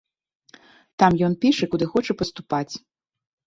Там ён піша, куды хоча паступаць.